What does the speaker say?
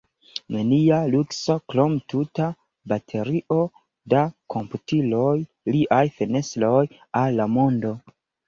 Nenia lukso, krom tuta baterio da komputiloj – liaj fenestroj al la mondo.